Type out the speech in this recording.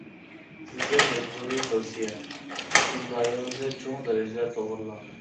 سىزگە مەجبۇرىي تەۋسىيە: ئىملايىڭىزنى چوڭ دەرىجىدە توغرىلاڭ!